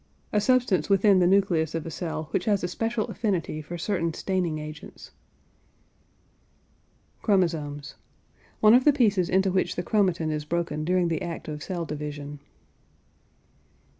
A substance within the nucleus of a cell which has a special affinity for certain staining agents. CHROMOSOMES. One of the pieces into which the chromatin is broken during the act of cell division.